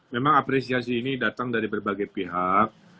memang apresiasi ini datang dari berbagai pihak